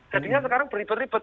jadinya sekarang beribet ribet